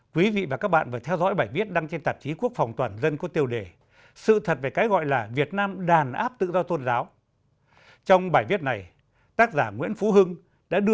quý vị và các bạn phải theo dõi và đăng ký kênh để nhận thông tin nhất